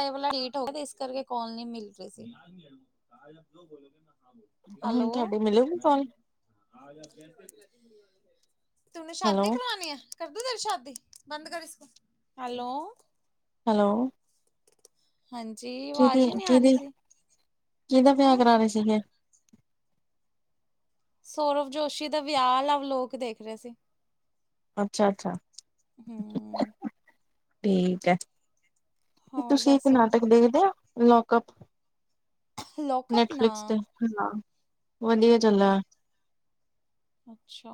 ਏ ਵਾਲਾ ਡਿਲੀਟ ਹੋ ਗਿਆ ਨਾ, ਇਸ ਕਰਕੇ ਕੋਲ ਨੀ ਮਿਲ ਰਹੀ ਸੀ। ਹੁਣ ਹੈਲੋ! ਤੁਹਾਡੀ ਮਿਲੂਗੀ ਕਾਲ ਤੁਮਨੇ ਸ਼ਾਦੀ ਹੈਲੋ ਕਰਵਾਣੀ ਏ। ਕਰ ਦੂ ਤੇਰੀ ਸ਼ਾਦੀ, ਬੰਦ ਕਰ ਇਸਕੋ। ਹੈਲੋ! ਹੈਲੋ। ਹਾਂਜੀ। ਆਵਾਜ਼ ਕਿਹਦੀ, ਹੀ ਨਹੀਂ ਆ ਰਹੀ ਕਿਹਦੀ, ਸੀ ਕਿਹਦਾ ਹਾਂ। ਵਿਆਹ ਕਰਾ ਰਹੇ ਸੀਗੇ। ਸੌਰਵ ਜੋਸ਼ੀ ਦਾ ਵਿਆਹ, ਨਾ ਲੋਕ ਦੇਖ ਰਹੇ ਸੀ। ਅੱਛਾ- ਅੱਛਾ, ਹੂੰ। ਠੀਕ ਹੈ। ਕੀ ਹੋਰ ਤੁਸੀਂ ਇੱਕ ਦੱਸੋ ਨਾਟਕ ਦੇਖਦੇ ਹੋ ਲੋਕਕੱਪ? ਲੋਕਅਪ ਨਾ ਨੈਟਫਲਿਕਸ ਤੇ ਨ ਵਧੀਆ ਹੂੰ ਚੱਲਦਾ। ਅੱਛਾ!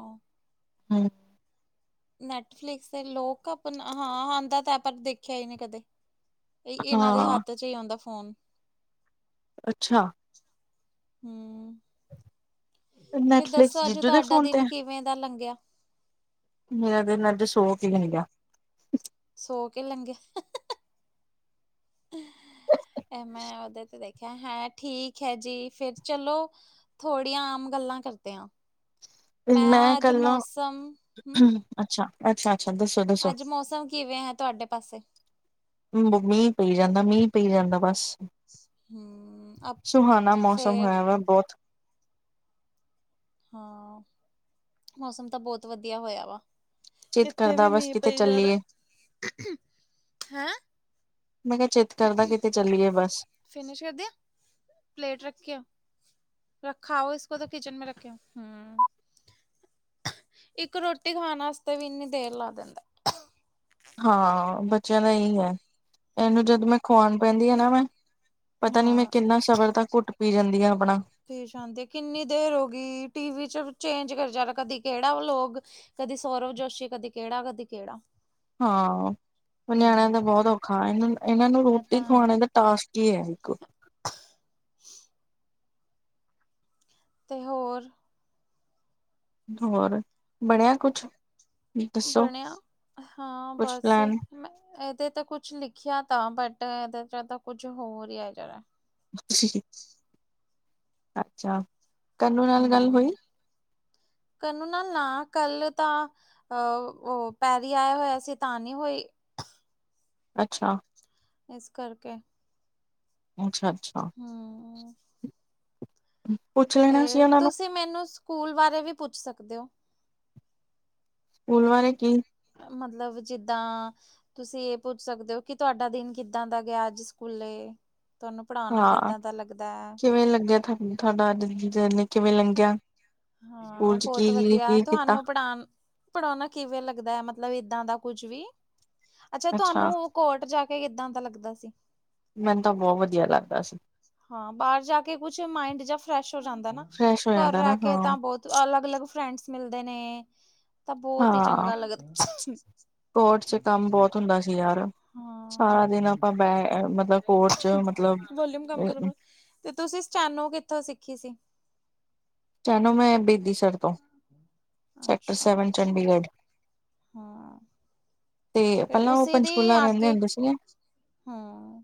ਹਾ ਈ। ਨੈਟਫਲਿਕਸ ਦੇ ਲੋਕਕੱਪ ਹਾਂ ਆਉਂਦਾ ਤਾਂ, ਪਰ ਦੇਖਿਆ ਹੀ ਨਹੀਂ ਕਦੇ। ਇਹਨਾਂ ਦੇ ਹਾਂ ਹੱਥ ਚ ਹੀ ਆਉਂਦਾ ਫੋਨ। ਅੱਛਾ! ਹੂੰ, ਫੇਰ ਨੈਟਫਲਿਕਸ ਦੱਸੋ ਅੱਜ ਜੀਜੂ ਦੇ ਤੁਹਾਡਾ ਫੋਨ ਤੇ ਦਿਨ ਕਿਵੇਂ ਦਾ ਲੰਘਿਆ? ਮੇਰਾ ਦਿਨ ਅੱਜ ਸੋ ਕੇ ਲੰਘਿਆ। ਸੋ ਕੇ ਲੰਗਿਆ, ਇਹ ਮੈਂ ਉਹਦੇ ਤੇ ਦੇਖਿਆ। ਹੈਂ, ਠੀਕ ਹੈ ਜੀ। ਫੇਰ ਚਲੋ। ਥੋੜੀਆਂ ਆਮ ਗੱਲਾਂ ਕਰਦੇ ਹਾ, ਮੈਂ ਅੱਜ ਕੱਲ ਨਾ ਮੌਸਮ ਹੂੰ। ਅੱਛਾ, ਅੱਛਾ- ਅੱਛਾ ਦ ਅੱਜ ਮੌਸਮ ਕਿਵੇਂ ਹੈ ਤੁਹਾਡੇ ਪਾਸੇ? ਮੀਂਹ ਪਈ ਜਾਂਦਾ, ਮੀਂਹ ਪਈ ਜਾਂਦਾ ਬਸ। ਹਮ ਅ ਸੁਹਾਾਨਾ ਮੌਸਮ ਫੇਰ ਹੋਇਆ ਵਾ ਬਹੁਤ। ਹਾਂ, ਮੌਸਮ ਤਾਂ ਬਹੁਤ ਵਧੀਆ ਹੋਇਆ ਵਾ। ਚਿੱਤ ਇੱਥੇ ਕਰਦਾ ਵੀ ਬਸ ਮੀਂਹ ਕਿਤੇ ਪਈ ਯਾਦਾਂ ਚੱਲੀਏ ਹੈਂ। ਮੈਂ ਕਿਹਾ, ਚਿੱਤ ਕਰਦਾ ਕਿਤੇ ਚੱਲੀਏ ਬਸ। ਫਿਨਿਸ਼ ਕਰ ਦੇਆਂ ਪਲੇਟ ਰੱਖਿਆ। ਰੱਖਾ ਹੋ, ਇਸ ਕੋ ਤੋ ਕਿਚਨ ਮੈਂ ਰੱਖ ਕੇ ਆਔ। ਇੱਕ ਰੋਟੀ ਖਾਣ ਵਾਸਤੇ ਵੀ, ਇੰਨੀ ਦੇਰ ਲਾ ਦਿੰਦਾ। ਹਾਂ ਬੱਚਿਆਂ ਦਾ ਇ ਹੈ, ਇਹਨੂੰ ਜਦ ਹਮ ਮੈਂ ਖਵਾਉਣ ਬੈਦੀ ਆ ਨਾ ਮੈਂ ਪਤਾ ਨੀ ਹਾਂ ਮੈਂ, ਕਿੰਨਾ ਸਬਰ ਤਾਂ ਘੁੱਟ ਪੀ ਜਾਂਦੀ ਹਾਂ, ਆਪਣਾ ਫਿਰ ਸ਼ਾਂਤੀ, ਕਿੰਨੀ ਦੇਰ ਹੋ ਗਈ, ਟੀ ਵੀ ਚ ਚੇਂਜ ਕਰ ਜਾਏਗਾ, ਕਦੀ ਕਿਹੜਾ ਵਲੋਗ ਕਦੀ ਸੌਰਵ ਜੋਸ਼ੀ, ਕਦੀ ਕਿਹੜਾ, ਕਦੀ ਕਿਹੜਾ। ਹਾਂ ਨਿਆਣਿਆਂ ਦਾ ਹੂੰ ਬਹੁਤ ਔਖਾ। ਇਹਨਾਂ, ਇਹਨਾਂ ਨੂੰ ਇਹ ਤਾਂ ਰੋਟੀ ਹੈ ਖਵਾਣੇ ਦਾ ਟਾਸਕ। ਕੇ ਆ ਇੱਕੋ ਤੇ ਹੋਰ ਹੋਰ ਬਣਿਆ ਕੁਛ ਦੱਸੋ ਬਣਿਆ, ਹਾਂ ਕੁਛ ਬਸ, ਪਲੈਨ ਮੈਂ ਇਹਦੇ ਤਾਂ ਕੁਛ ਕੁਛ ਲਿਖਿਆ ਤਾਂ, ਬਟ ਇਹਦੇ ਚ ਤਾਂ ਕੁਝ ਹੋਰ ਹੀ ਆਈ ਜਾ ਰਿਹਾ ਹੈ। ਜੀ ਅੱਛਾ, ਕੰਨੂੰ ਨਾਲ ਗੱਲ ਹੂੰ ਹੋਈ ਕਨੂੰ ਨਾਲ, ਨਾ ਕੱਲ ਤਾਂ ਅਹ ਉਹ, ਪੈਰੀ ਆਇਆ ਹੋਇਆ ਸੀ ਤਾਂ ਨਹੀਂ ਹੋਈ ਅੱਛਾ ਇਸ ਕਰਕੇ ਅੱਛਾ ਅੱਛਾ ਹੂ ਹਮ [unintelligible] ਫੇਰ, ਤੁਸੀਂ ਮੈਨੂੰ ਸਕੂਲ ਬਾਰੇ ਵੀ ਪੁੱਛ ਸਕਦੇ ਹੋ। ਸਕੂਲ ਬਾਰੇ ਕੀ ਮਤਲਬ ਜਿੱਦਾਂ ਤੁਸੀਂ ਇਹ ਪੁੱਛ ਸਕਦੇ ਹੋ, ਕਿ ਤੁਹਾਡਾ ਦਿਨ ਕਿੱਦਾਂ ਦਾ ਗਿਆ ਅੱਜ ਸਕੂਲੇ। ਤੁਹਾਨੂੰ ਪੜ੍ਹਾਉਣਾ ਹਾਂ ਕਿੱਦਾਂ ਦਾ ਲੱਗਦਾ ਹੈ। ਕਿਵੇਂ ਲੱਗਿਆ ਤੁਹਾਨੂੰ ਤੁਹਾਡਾ ਅਜ ਕਿਵੇਂ ਲੰਘਿਆ, ਸਕੂਲ ਚ ਕੀ ਕੀ ਕੀਤਾ ਪੜ੍ਹਾ ਪੜ੍ਹਾਉਣਾ ਕਿਵੇਂ ਲੱਗਦਾ ਹੈ, ਮਤਲਬ ਈਦਾਂ ਦਾ ਕੁੱਝ ਵੀ, ਅੱਛਾ ਤੁਹਾਨੂੰ ਕੋਰਟ ਜਾ ਕੇ ਕਿੱਦਾਂ ਦਾ ਲੱਗਦਾ ਸੀ ਮੈਨੂੰ ਤਾਂ ਬਹੁਤ ਵਧੀਆ ਲੱਗਦਾ ਸੀ ਹਾਂ ਬਾਹਰ ਜਾ ਕੇ ਕੁਛ ਮਾਇੰਡ ਜਾਂ ਫਰੈਸ਼ ਹੋ ਜਾਂਦਾ ਨਾ, ਫਰੈਸ਼ ਹੋ ਘਰ ਜਾਂਦਾ ਨਾ ਰਹਿ ਹਾਂ ਕੇ ਤਾਂ ਬਹੁਤ ਅਲੱਗ ਅਲੱਗ ਫਰੈਂਡਸ ਮਿਲਦੇ ਨੇ ਤਾਂ ਬਹੁਤ ਹੀ ਹਾਂ ਚੰਗਾ ਲੱਗਦਾ ਕੋਰਟ ਚ ਕੰਮ ਬਹੁਤ ਹੁੰਦਾ ਯਾਰ, ਹਾਂ। ਸਾਰਾ ਦਿਨ ਆਪਾਂ ਬ ਮਤਲਬ ਕੋਟ ਚ, ਮਤਲਬ ਵੋਲਿਊਮ ਕੰਮ ਕਰੋ ਤੇ ਤੁਸੀਂ ਸਟੈਨੋ ਕਿੱਥੋਂ ਸਿੱਖੀ ਸੀ ਸਟੈਂਨੋ ਮੈਂ ਬੇਦੀ ਸਰ ਤੋਂ, ਸੈਕਟਰ ਅੱਛਾ ਸੈਵਨ ਚੰਡੀਗੜ੍ਹ ਹਾਂ ਤੇ, ਫਿਰ ਪਹਿਲਾਂ ਉਹ ਪੰਚਕੂਲਾ ਰਹਿੰਦੇ ਹੁੰਦੇ ਸੀਗੇ ਹਾਂ,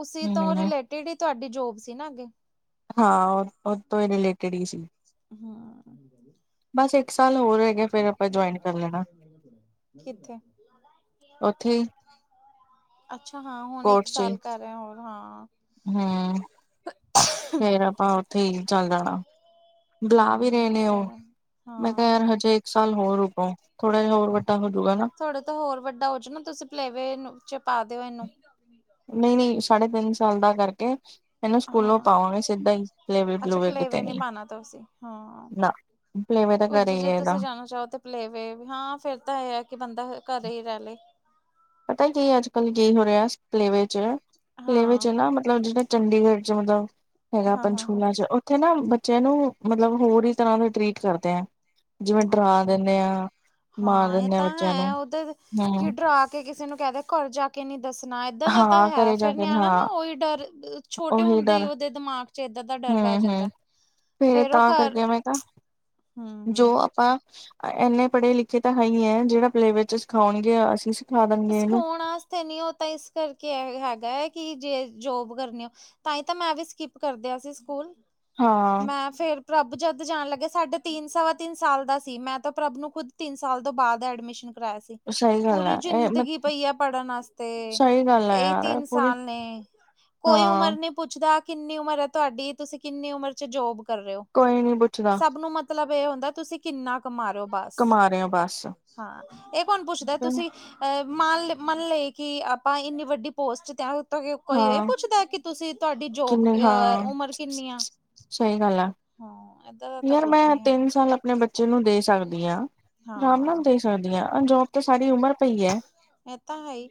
ਉਸੀ ਤੋਂ ਹਮ ਰਿਲੇਟਿਡ ਹੀ ਤੁਹਾਡੀ ਜੋਬ ਸੀ ਨਾ ਅੱਗੇ ਹਾਂ, ਉਹ ਤੋਂ ਹੀ ਰਿਲੇਟਿਡ ਹੀ ਸੀ ਹਾਂ ਬਸ ਇੱਕ ਸਾਲ ਹੋਰ ਹੈ ਕਿਥੇ ਉੱਥੇ ਹੀ ਅੱਛਾ ਹਾਂ, ਹੁਣ ਇੱਕ ਸਾਲ ਕਰ ਰਿਹਾ ਹੋਰ ਹਾਂ ਹੂ, ਫੇਰ ਆਪਾਂ ਉੱਥੇ ਹੀ ਚੱਲ ਜਾਣਾ ਬੁਲਾ ਵੀ ਰਹੇ ਹੂੰ ਨੇ ਉਹ, ਸਹੀ ਮੈਂ ਕਿਹਾ ਹਾਂ ਯਾਰ ਹਜੇ ਇੱਕ ਸਾਲ ਹੋਰ ਰੁਕੋ। ਥੋੜਾ ਜਹਾ ਹੋਰ, ਵੱਡਾ ਹੋਜੂਗਾ ਨਾ। ਥੋੜਾ ਤਾਂ ਹੋਰ ਵੱਡਾ ਹੋ ਜਾ ਨਾ, ਤੁਸੀਂ ਪਲੇਵੇ ਚ ਪਾ ਦਿਓ ਇਹਨੂੰ ਨਹੀਂ ਨਹੀਂ, ਸਾਢੇ ਤਿੰਨ ਸਾਲ ਦਾ ਕਰਕੇ ਇਹਨੂੰ ਸਕੂਲੋਂ ਹਾਂ ਪਾਵਾਂਗੇ ਸਿੱਧਾ ਹੀ, ਪਲੇ ਵੇ ਅੱਛਾ ਪਲੂਵੇ ਕਿਤੇ ਪਲੇਵੇ ਨੀ ਪਾਣਾ ਤੁਸੀਂ ਹਾਂ ਨਾ ਪਲੇਵੇ ਤਾਂ ਉਝ ਘਰੇ ਹੀ ਜੇ ਹੈ, ਐਦਾ ਤੁਸੀਂ ਜਾਣਾ ਚਾਹੋ ਤੇ ਪਲੇਵੇ ਹਾਂ ਫਿਰ ਤਾਂ ਇਹ ਹੈ ਕਿ ਬੰਦਾ ਘਰੇ ਹੀ ਰਹਿ ਲਏ। ਪਤਾ ਕੀ ਅੱਜ ਕੱਲ੍ਹ ਕੀ ਹੋ ਰਿਹਾ ਕਲੇਵੇ ਚ ਕਲੇਵੇ ਚ ਹਾਂ ਨਾ ਮਤਲਬ ਜਿਹੜਾ ਚੰਡੀਗੜ੍ਹ ਚ ਔਦਾ ਮਤਲਬ ਹੈਗਾ, ਹਾਂ ਹਾਂ ਹਾਂ ਪੰਚਕੁੱਲਾ ਚ ਥੇ ਨਾ ਬੱਚਿਆਂ ਨੂੰ ਮਤਲਬ ਹੋਰ ਹੀ ਤਰ੍ਹਾਂ ਦੇ ਟਰੀਟ ਕਰਦੇ ਆ। ਜਿਵੇਂ ਡਰਾ ਅੱਛਾ ਦਿੰਨੇ ਆ, ਮਾਰ ਹਾਂ ਇਹ ਦਿੰਦੇ ਆ ਤਾਂ ਬੱਚਿਆਂ ਨੂੰ ਹੈ ਉਹਦੇ ਹੂੰ। ਡਰਾ ਕਿ ਕਿਸੇ ਨੂੰ ਕਹਿ ਦੇ ਘਰ ਜਾ, ਕੇ ਨਹੀਂ ਦੱਸਣਾ ਏਦਾਂ ਦਾ ਤਾਂ ਹਾਂ ਹੈ, ਘਰੇ ਜਾ ਫਿਰ ਕੇ ਨਿਆਣਾ ਨਾ ਹਾਂ ਉਹੀ ਡਰ ਛੋਟੇ ਉਹੀ ਹੁੰਦੇ ਡਰ ਉਹਦੇ ਦਿਮਾਗ ਚ ਏਦਾਂ ਦਾ ਡਰ ਹੂੰ ਬਹਿ ਜਾਂਦਾ। ਹੂੰ ਫੇਰ ਉਹ ਤਾਂ ਘਰ ਕਰਕੇ ਮੈਂ ਕਿਹਾ। ਹਮ ਜੋ ਹਮ ਆਪਾਂ ਇੰਨੇ ਪੜ੍ਹੇ ਲਿਖੇ ਤਾਂ ਹੈ ਹੀ ਹੈ, ਜਿਹੜਾ ਪਲੇ ਵਿੱਚ ਸਿਖਾਉਣਗੇ ਅਸੀਂ ਸਿਖਾ ਦੇਣਗੇ ਇਹਨੂੰ ਸਿਖਾਉਣ ਵਾਸਤੇ ਨੀ ਉਹ ਤਾਂ ਇਸ ਕਰਕੇ ਇਹ ਹੈਗਾ ਹੈ, ਕਿ ਜੇ ਜੋਬ ਕਰਨੀ ਹੋ ਤਾਂ ਹੀ ਤਾਂ ਮੈਂ ਵੀ ਸਕਿਪ ਕਰਦਿਆਂ ਸੀ, ਸਕੂਲ ਹਾਂ ਮੈਂ ਫਿਰ ਪ੍ਰਭੂ ਜਦ ਜਾਣ ਲੱਗੇ, ਸਾਡੇ ਤਿੰਨ ਸਵਾ ਤਿੰਨ ਸਾਲ ਦਾ ਸੀ, ਮੈਂ ਤਾਂ ਪ੍ਰਭ ਨੂੰ ਖੁਦ ਤਿੰਨ ਸਾਲ ਤੋਂ ਬਾਅਦ ਐਡਮਿਸ਼ਨ ਕਰਾਇਆ ਸੀ, ਸਹੀ ਗੱਲ ਪੂਰੀ ਹੈ ਇਹ ਮ ਜ਼ਿੰਦਗੀ ਪਈ ਆ ਪੜ੍ਹਨ ਵਾਸਤੇ ਸਹੀ ਗੱਲ ਹੈ ਇਹੀ ਯਾਰ ਤਿੰਨ ਪੂਰੀ ਸਾਲ ਨੇ ਕੋਈ ਹਾਂ ਉਮਰ ਨਹੀਂ ਪੁੱਛਦਾ ਕਿੰਨੀ ਉਮਰ ਹੈ, ਤੁਹਾਡੀ ਤੁਸੀਂ ਕਿੰਨੀ ਉਮਰ ਚ ਜੋਬ ਕਰ ਰਹੇ ਹੋ ਕੋਈ ਨੀ ਪੁੱਛਦਾ ਸਭ ਨੂੰ ਮ ਮਤਲਬ ਇਹ ਹੁੰਦਾ, ਤੁਸੀਂ ਕਿੰਨਾ ਕਮਾ ਰੇ ਬਾਹਰ ਕਮਾ ਰਹੇ ਹੋ ਬਸ ਹਾਂ ਇਹ ਕੌਣ ਪੁੱਛਦਾ ਤੁਸੀਂ ਅ ਮੰਨ ਲੋ ਮੰਨ ਲਏ ਕਿ, ਆਪਾਂ ਇੰਨੀ ਵੱਡੀ ਪੋਸਟ ਤੇ ਕੋਈ ਇਹ ਹਾਂ ਪੁੱਛਦਾ, ਕਿ ਤੁਸੀਂ ਤੁਹਾਡੀ ਜੋਬ ਕਿੰਨੇ ਹਾਂ ਉਮਰ ਕਿੰਨੀ ਆ। ਸਹੀ ਗੱਲ ਹੈ, ਹਾਂ ਏਦਾਂ ਦਾ ਤਾਂ ਯਾਰ ਮੈਂ ਕੁੱਝ ਨੀ ਹੈਗਾ ਤਿੰਨ ਸਾਲ ਆਪਣੇ ਬੱਚੇ ਨੂੰ ਦੇ ਸਕਦੀ ਹਾਂ। ਆਰਾਮ ਨਾਲ ਹਾਂ ਦੇ ਸਕਦੀ ਹਾਂ ਜੋਬ ਤੇ ਸਾਡੀ ਉਮਰ ਪਈ ਹੈ। ਮੈਂ ਤਾਂ ਹੈ ਹੀ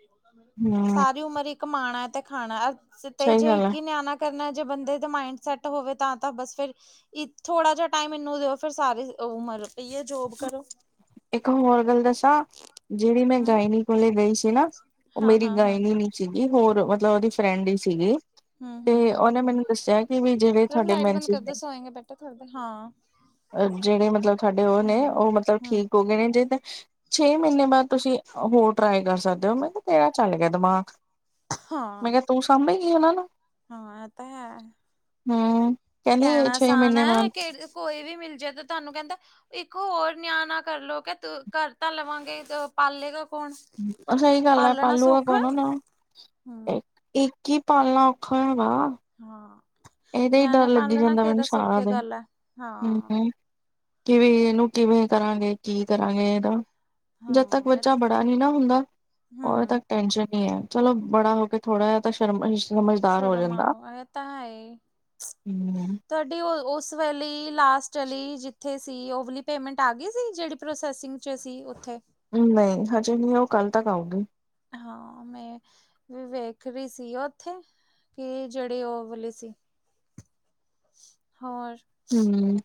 ਹਮ ਸਾਰੀ ਉਮਰ ਕਮਾਣਾ ਤੇ ਖਾਣਾ ਤੇ ਸਹੀ ਜੇ ਗੱਲ ਆ ਇੱਕ ਹੀ ਨਿਆਣਾ ਕਰਨਾ ਜੇ ਬੰਦੇ ਦੇ ਮਾਇੰਡ ਸੈੱਟ ਹੋਵੇ, ਤਾਂ ਤਾਂ ਬਸ ਫਿਰ ਥੋੜਾ ਜਹਾ ਟਾਈਮ ਇਹਨੂੰ ਦਿਓ, ਫਿਰ ਸਾਰੀ ਉਮਰ ਪਈਏ ਜੋਬ ਕਰਨ ਨੂੰ ਇੱਕ ਹੋਰ ਗੱਲ ਦੱਸਾਂ, ਜਿਹੜੀ ਮੈਂ ਹਮ ਗਾਇਨੀ ਕੋਲੇ ਗਈ ਸੀ, ਨਾ ਉਹ ਹਾਂ ਮੇਰੀ ਹਾਂ ਹਾਂ ਗਾਇਨੀ ਨੀ। ਸੀਗੀ, ਹੋਰ ਮਤਲਬ ਉਹਦੀ ਫਰੈਂਡ ਹੀ ਸੀਗੀ। ਹਮ ਤੇ ਹਮ ਹਮ ਉਹਨੇ ਮੈਨੂੰ ਦੱਸਿਆ ਕਿ, ਵੀ ਜਿਹੜਂ ਰਬ ਤੁਹਾਡੇ ਲਾਈਟ ਬੰਦ ਮਨਸਿਸ ਨੇ ਕਰਦੋ ਸੋਏਗੇ ਬੈਟਾ ਥੋੜੀ ਦੇਰ ਹਾਂ ਅ ਜਿਹੜੇ ਮਤਲਬ ਤੁਹਾਡੇ ਉਹ ਨੇ ਹਮ ਉਹ ਮਤਲਬ ਹਮ ਠੀਕ ਹੋ ਗਏ, ਨੇ ਜੇ ਤਾਂ ਛੇ ਮਹੀਨੇ ਬਾਅਦ ਤੁਸੀਂ ਹੋਰ ਟਰਾਈ ਕਰ ਸਕਦੇ, ਹੋ ਮੈਂ ਕਿਹਾ ਤੇਰਾ ਚੱਲ ਗਿਆ, ਦਿਮਾਗ ਹਾਂ ਮੈਂ ਕਿਹਾ। ਤੂੰ ਸਾਂਭ ਗਈ ਉਹਨਾ ਨੂੰ ਹਾਂ ਆ ਤਾਂ ਹੈ। ਹੂੰ, ਕਹਿੰਦੀ ਕਹਿਣਾ ਛੇ ਆਸਾਨ ਮਹੀਨੇ ਹੈ ਬਾਦ ਕਿ ਕੋਈ ਵੀ ਮਿਲ ਜਾਏ ਤਾਂ ਤੁਹਾਨੂੰ ਕਹਿੰਦਾ। ਇੱਕ ਹੋਰ ਨਿਆਂ ਨਾ ਕਰਲੋ, ਕੇ ਤੂੰ ਕਰ ਤਾਂ ਲਵਾਂਗੇ ਪਾਲੇਗਾ, ਕੋ ਸਹੀ ਗੱਲ ਹੈ, ਪਾਲੂਗਾ ਕੋਨ ਹਮ ਇੱਕ ਹੀ ਪਾਲਣਾ ਔਖਾ ਹੋਇਆ ਵਾ, ਹਾਂ, ਇਹਦੇ ਹੀ ਡਰ ਨਿਆਣੇ ਲੱਗੀ ਪਾਲਣਾ ਜਾਂਦਾ, ਮੈਨੂੰ ਕਿਹੜਾ ਸਾਰਾ ਸੌਖੀ ਦਿਨ ਗੱਲ ਹੈ। ਹਾਂ ਹੂੰ, ਕਿਵੇਂ ਇਹਨੂੰ ਕਿਵੇਂ ਕਰਾਂਗੇ, ਕੀ ਕਰਾਂਗੇ ਇਹਦਾ ਜਦ ਤੱਕ ਹਾਂ ਬੱਚਾ ਬੜਾ ਨਾ ਹੁੰਦਾ, ਉਦ ਹਮ ਤੱਕ ਟੈਨਸ਼ਨ ਹੀ ਹੈ, ਚਲੋ ਬੜਾ ਹੋ ਕੇ। ਥੋੜ੍ਹਾ ਜਿਹਾ ਤਾਂ ਸ਼ਰਮ ਸਮਝਦਾਰ ਹੋ ਜਾਂਦਾ। ਤਏ, ਹੂੰ, ਤੁਹਾਡੀ ਉਹ ਉਸ ਵੇਲੀ ਲਾਸਟ ਵਾਲੀ ਜਿੱਥੇ ਸੀ ਓਵਲੀ ਪੇਮੈਂਟ ਆ ਗਈ ਸੀ, ਜਿਹੜੀ ਪ੍ਰੋਸੈਸਿੰਗ ਸੀ, ਉੱਥੇ ਨਹੀਂ ਹਜੇ ਨਹੀਂ ਉਹ ਕੱਲ ਤੱਕ ਆਉਗੀ। ਹਾਂ ਮੈਂ ਵੀ ਵੇਖ ਰਹੀ ਸੀ, ਉੱਥੇ ਕਿ ਜਿਹੜੀ ਉਹ ਵਾਲੀ ਸੀ। ਹੋਰ ਹਮ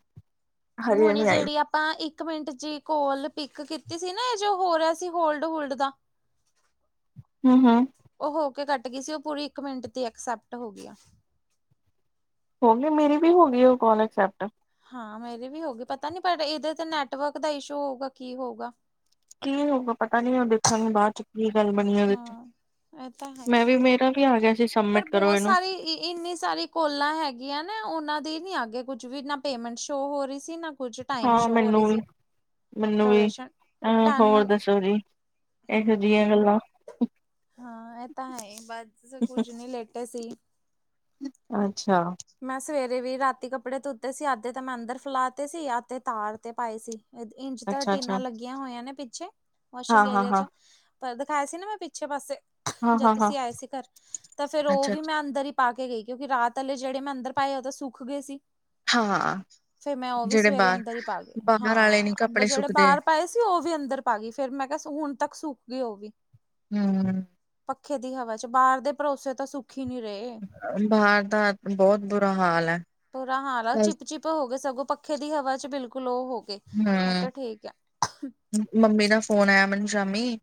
ਹਜੇ ਹੁਣੀ ਨਹੀਂ ਆਈ ਜਿਹੜੀ ਆਪ ਆਪਾਂ ਇੱਕ ਮਿੰਟ ਜੀ ਕੋਲ ਪਿਕ ਕੀਤੀ ਸੀ, ਨਾ ਇਹ ਜੋ ਹੋ ਰਿਹਾ ਸੀ, ਹੋਲਡ ਹੋਲਡ ਦਾ [unintelligible] ਹੂੰ, ਉਹ ਹੋ ਕੇ ਕੱਟ ਗਈ ਸੀ ਉਹ ਪੂਰੀ ਇੱਕ ਮਿੰਟ ਦੀ ਐਕਸੈਪਟ ਹੋ ਗਈ। ਹੋ ਗਿਆ ਮੇਰੀ ਵੀ ਹੋਣੀ ਉਹ ਕੋਲਜ ਐਕਸੈਪਟ ਹਾਂ ਮੇਰੇ ਵੀ ਹੋ ਗਏ ਪਤਾ ਨੀ ਪਰ ਇਹਦੇ ਤੇ ਨੈਟਵਰਕ ਦਾ ਇਸ਼ੂ ਹੋਊਗਾ ਕੀ ਹੋਊਗਾ ਕੀ ਹੋਗਾ ਪਤਾ ਨੀ ਉਹ ਦੇਖਾਂਗੇ ਬਾਅਦ ਚ ਕੀ ਗੱਲ ਬਣੀ ਉਹਦੇ ਚ ਹਾਂ। ਇਹ ਤਾਂ ਹੈ ਮੈਂ ਵੀ ਮੇਰਾ ਵੀ ਆ ਗਿਆ ਸੀ ਪਰ ਸਬਮਿਟ ਕਰੋ ਬਹੁਤ ਇਹਨੂੰ ਸਾਰੇ ਇੰਨੇ ਸਾਰੇ ਕੋਲਾ ਹੈਗੀਆਂ ਨਾ ਉਹਨਾਂ ਦੀ ਨੀ ਅਗੇ ਕੁੱਝ ਵੀ ਨਾ ਪੇਮੈਂਟ ਸ਼ੋ ਹੋ ਰਹੀ ਸੀ ਨਾ ਕੁੱਝ ਟਾਈਮ ਹਾਂ ਸ਼ੋਅ ਹੋ ਰਹੀ ਮੈਨੂੰ ਵੀ ਸੀ। ਮੈਨੂੰ ਵੀ ਡੋਰੇਸ਼ਨਸ਼ਨ ਅਹ ਟੈਨ ਹੋਰ ਹੂ ਦੱਸੋ ਜੀ ਇਹੋ ਜਿਹੀਆਂ ਗੱਲਾਂ ਹਾਂ ਇਹ ਤਾਂ ਹੈ ਬਸ ਕੁੱਝ ਨਹੀਂ ਲੇਟੇ ਸੀ। ਅੱਛਾ। ਮੈਂ ਸਵੇਰੇ ਵੀ ਰਾਤੀ ਕੱਪੜੇ ਧੂਤੇ ਸੀ ਅੱਧੇ ਤੇ ਮੈਂ ਅੰਦਰ ਫੈਲਾ ਤੇ ਸੀ ਅੱਧੇ ਤਾਰ ਤੇ ਪਾਏ ਸੀ। ਇੰਚ ਤਾਂ ਅੱਛਾ ਅੱਛਾ ਟੇਨਾਂ ਲੱਗੀਆਂ ਹੋਇਆ ਨੇ ਪਿੱਛੇ ਹਾਂ ਵਾਸ਼ਿੰਗ ਹਾਂ ਏਰੀਆ ਹਾਂ ਚ ਪਰ ਦਿਖਾਇਆ ਸੀ ਨਾ ਮੈਂ ਪਿੱਛੇ ਪਾਸੇ ਹਾਂ ਜਦ ਹਾਂ ਹਾਂ ਤੁਸੀਂ ਆਏ ਸੀ ਘਰ ਤਾਂ ਫਿਰ ਉਹ ਅੱਛਾ, ਵੀ ਅੱਛਾ ਮੈਂ ਅੰਦਰ ਹੀ ਪਾ ਕੇ ਗਈ ਕਿਉਂਕਿ ਰਾਤ ਅੇ ਜਿਹੜੇ ਮੈਂ ਅੰਦਰ ਪਾਏ ਉਹ ਤਾਂ ਸੁੱਕ ਗਏ ਸੀ। ਹਾਂ ਫਿਰ ਮੈਂ ਉਹ ਵੀ ਜਿਹੜੇ ਸਵੇਰੇ ਬਾਹਰ ਅੰਦਰ ਹੀ ਪਾ ਲੇ ਬਾਹਰ ਆਲੇ ਨੀ ਹਾਂ ਕੱਪੜੇ ਜਿਹੜੇ ਸੁੱਕਦੇ ਬਾਹਰ ਪਾਏ ਉਹ ਵੀ ਅੰਦਰ ਪਾ ਗਈ ਫਿਰ ਮੈਂ ਕਿਹਾ ਹੁਣ ਤੱਕ ਸੁੱਕ ਗਈ ਹੋਏਗੀ। ਹੂ,,, ਪੱਖੇ ਦੀ ਹਵਾ ਚ ਬਾਹਰ ਦੇ ਭਰੋਸੇ ਤਾਂ ਸੁੱਖੀ ਨੀ ਰਹੇ ਬਾਹਰ ਦਾ ਬਹੁਤ ਬੁਰਾ ਹਾਲ ਹੈ। ਬੁਰਾ ਹਾਲਾ ਚਿਪ ਚਿਪ ਹੋ ਗਏ ਸਗੋਂ ਪੱਖੇ ਦੀ ਹਵਾ ਚ ਬਿਲਕੁਲ ਉਹ ਹੋ ਗਏ ਮੈਂ ਹੂੰ ਕਿਹਾ ਠੀਕ ਆ ਮੰਮੀ ਨਾਲ ਫੋਨ ਆਇਆ ਮੈਨੂੰ ਸ਼ਾਮੀ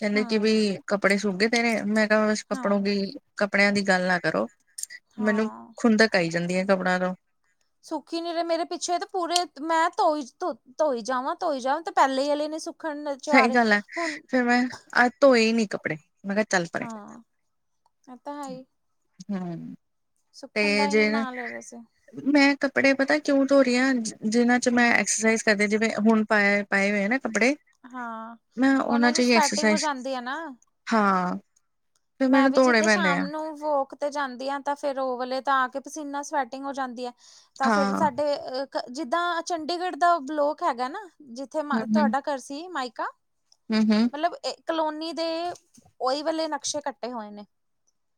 ਕਹਿੰਦੇ ਕਿ ਹਾਂ ਬਈ ਕੱਪੜੇ ਸੂਗੇ ਤੇ ਨੇ ਮੈਂ ਕਿਹਾ ਕੱਪੜੋਂ ਹਾਂ ਦੀ ਕੱਪੜਿਆਂ ਦੀ ਗੱਲ ਨਾ ਕਰੋ ਮੈਨੂੰ ਹਾਂ ਖੁੰਦਕ ਆਈ ਜਾਂਦੀ ਹੈ ਕੱਪੜਿਆਂ ਤੋਂ ਸੁਖੀ ਨੀ ਰਹੇ ਮੇਰੇ ਪਿੱਛੇ ਤੇ ਪੂਰੇ ਮੈਂ ਧੋਈ ਧੋ ਧੋਈ ਜਾਵਾਂ ਧੋਈ ਜਾਵਾਂ ਤੇ ਪਹਿਲੇ ਹੀ ਵਾਲੇ ਨੇ ਸੁੱਕ ਸਹੀ ਗੱਲ ਹੈ ਫਿਰ ਮੈਂ ਅੱਜ ਧੋਏ ਨੀ ਕੱਪੜੇ ਮੈਂ ਕਿਹਾ ਚੱਲ ਪਰੇ ਹਾਂ ਇਹ ਤਾਂ ਹੈ ਹੂ ਤੇ ਸੁੱਖਣ ਦਾ ਹੀ ਜੇ ਨੇ ਨਾਂ ਲੈ ਰਹੇ ਸੀ ਮੈਂ ਕੱਪੜੇ ਪਤਾ ਕਿਉਂ ਧੋ ਰਹੀ ਹਾਂ ਜਿਹਨਾਂ ਚ ਹਮ। ਮੈਂ ਐਕਸਰਸਾਈਜ਼ ਜਿਵੇਂ ਹੁਣ ਪਾਏ ਪਾਏ ਹੋਏ ਹੈ ਨਾ ਕੱਪੜੇ ਹਾਂ ਮੈਂ ਉਹਨਾਂ ਉਹਨੇ ਚ ਦੀ ਹੀ ਸਵੈਟਿੰਗ ਹੋ ਐਕਸਰਸਾਈਜ਼ ਜਾਂਦੀ ਨਾ ਹਾਂ ਫਿਰ ਮੈਂ ਮੈਨੂੰ ਵੀ ਧੋਣੇ ਜਿੱਦਰ ਪੈਂਦੇ ਸ਼ਾਮ ਆ ਨੂੰ ਵੋਕ ਤੇ ਜਾਂਦੀ ਆ ਤਾਂ ਫਿਰ ਉਹ ਵਾਲੇ ਤਾਂ ਆ ਕੇ ਪਸੀਨਾ ਸਵੈਟਿੰਗ ਹੋ ਜਾਂਦੀ ਹੈ ਤਾਂ ਫਿਰ ਹਾਂ ਸਾਡੇ ਜਿੱਦਾਂ ਚੰਡੀਗੜ੍ਹ ਦਾ ਬਲੋਕ ਹੈਗਾ ਨਾ ਜਿੱਥੇ ਤੁਹਾਡਾ ਘਰ ਸੀ ਮਾਇਕਾ ਹੂ -ਹੂ। ਮਤਲਬ ਇਹ ਕਲੋਨੀ ਦੇ ਓਹੀ ਵੇਲੇ ਨਕਸ਼ੇ ਕੱਟੇ ਹੋਏ ਨੇ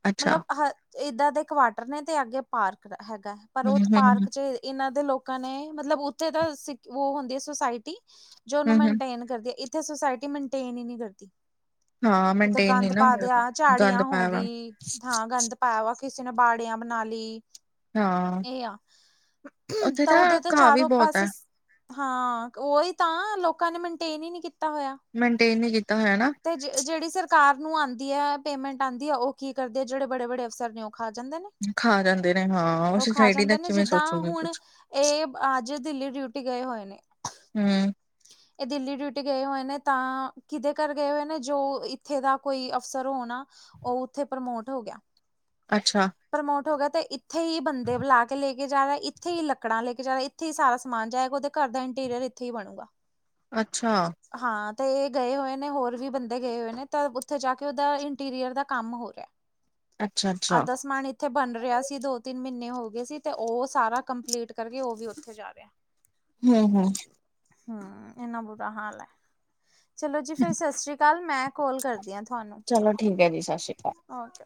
ਅੱਛਾ ਮਤਲਬ ਹਰ। ਏਦਾਂ ਦੇ ਕੁਆਟਰ ਨੇ ਤੇ ਅੱਗੇ ਪਾਰਕ ਹੈਗਾ ਪਰ ਉਹ ਹਮ ਹਮ ਪਾਰਕ ਚ। ਇਹਨਾਂ ਦੇ ਲੋਕਾਂ ਨੇ ਮਤਲਬ ਉੱਥੇ ਤਾਂ ਸਿੱਖ ਉਹ ਹੁੰਦੀ ਹੈ ਸੁਸਾਇਟੀ। ਜੋ ਉਹਨੂੰ ਹਮ ਹਮ ਮੈਨਟੇਨ ਕਰਦੀ ਹੈ ਇੱਥੇ ਸੁਸਾਇਟੀ ਮੈਨਟੇਨ ਹੀ ਨਹੀਂ ਕਰਦੀ। ਹਾਂ ਉੱਥੇ ਮੇਨਟੇਨ ਨੀ ਗੰਦ ਨਾ ਪਾ ਹੋਇਆ ਦਿਆ ਗੰਦ ਝਾੜੀਆਂ ਹੋ ਪਾਇਆ ਵਾ ਗਈ ਥਾਂ। ਗੰਦ ਪਾਇਆ ਵਾ ਕਿਸੇ ਨੇ ਬਾੜਿਆਂ ਬਣਾ ਲਈ। ਹਾਂ ਇਹ ਆ ਉੱਥੇ ਤਾਂ ਉਦੇ ਤੇ ਘਾਹ ਵੀ ਚਾਰੋ ਬਹੁਤ ਪਾਸੇ। ਹੈ ਹਾਂ ਉਹੀ ਤਾਂ ਲੋਕਾਂ ਨੇ ਮੈਨਟੇਨ ਹੀ ਨਹੀਂ ਕੀਤਾ ਹੋਇਆ। ਮੈਨਟੇਨ ਨਹੀਂ ਕੀਤਾ ਹੋਇਆ ਨਾ। ਤੇ ਜਿਹੜੀ ਸਰਕਾਰ ਨੂੰ ਆਉਂਦੀ ਹੈ। ਪੇਮੈਂਟ ਆਉਂਦੀ ਆ ਉਹ ਕੀ ਕਰਦੇ ਆ ਜਿਹੜੇ ਬੜੇ-ਬੜੇ ਅਫਸਰ ਨੇ ਉਹ ਖਾ ਜਾਂਦੇ ਨੇ। ਖਾ ਜਾਂਦੇ ਨੇ ਹਾਂ ਉਹ ਖਾ ਸੁਸਾਇਟੀ ਦਾ ਜਾਂਦੇ ਨੇ ਕਿਵੇਂ ਜਿੱਦਾਂ ਸੋਚੂਗੀ ਹੁਣ ਕੁਛ ਇਹ ਅੱਜ ਦਿੱਲੀ ਡਿਊਟੀ। ਡਿਊਟੀ ਗਏ ਹੋਏ ਨੇ। ਹੂ। ਇਹ ਦਿੱਲੀ ਡਿਊਟੀ ਗਏ ਹੋਏ ਨੇ। ਤਾਂ ਕਿਦੇ ਘਰ ਗਏ ਹੋਏ ਨੇ ਜੋ ਇੱਥੇ ਦਾ ਕੋਈ ਅਫਸਰ ਹੋਣਾ। ਉਹ, ਉੱਥੇ ਪ੍ਰਮੋਟ ਹੋ ਗਿਆ। ਅੱਛਾ। ਪ੍ਰਮੋਟ ਹੋ ਗਿਆ ਤੇ, ਇੱਥੇ ਹੀ ਬੰਦੇ ਬੁਲਾ ਕੇ ਲੈ ਕੇ ਜਾ ਰਿਹਾ। ਇੱਥੇ ਹੀ ਲੱਕੜਾਂ ਲੈ ਕੇ ਜਾ ਰਿਹਾ। ਇੱਥੇ ਹੀ ਸਾਰਾ ਸਮਾਨ ਜਾਏਗਾ ਉਹਦੇ ਘਰ ਦਾ। ਇੰਟੀਰੀਅਰ ਇੱਥੇ ਹੀ ਬਣੂਗਾ। ਅੱਛਾ। ਹਾਂ ਤੇ ਇਹ ਗਏ ਹੋਏ ਨੇ, ਹੋਰ ਵੀ ਬੰਦੇ ਗਏ ਹੋਏ ਨੇ। ਤਾਂ ਉੱਥੇ ਜਾ ਕੇ ਉਹਦਾ ਇੰਟੀਰੀਅਰ ਦਾ ਕੰਮ ਹੋ ਰਿਹਾ। [inaudible] ਅੱਛਾ-ਅੱਛਾ। ਅੱਧਾ ਸਮਾਨ ਇੱਥੇ ਬਣ ਰਿਹਾ ਸੀ। ਦੋ-ਤਿੰਨ ਮਹੀਨੇ ਹੋ ਗਏ ਸੀ। ਤੇ ਉਹ ਸਾਰਾ ਕੰਪਲੀਟ ਕਰਕੇ ਉਹ ਵੀ ਉੱਥੇ ਜਾ ਰਿਹਾ। ਹੂੰ-ਹੂੰ। ਹੂੰ, ਇੰਨਾ ਬੁਰਾ ਹਾਲ ਹੈ। ਚਲੋ ਜੀ ਫੇਰ ਸਤਿ ਸ੍ਰੀ ਅਕਾਲ। ਮੈਂ ਕੋਲ ਕਰਦੀ ਹਾਂ ਤੁਹਾਨੂੰ। ਚਲੋ ਠੀਕ ਹੈ ਜੀ ਸਤਿ ਸ਼੍ਰੀ ਅਕਾਲ ਓਕੇ।